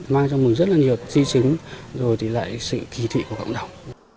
mang trong mình rất là nhiều dĩ chứng rồi lại sự kỳ thị của cộng đồng